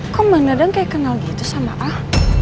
kau kaya kenal gitu sama ah